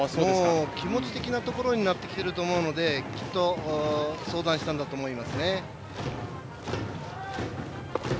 気持ち的なところになってきていると思うのできっと相談したんだと思いますね。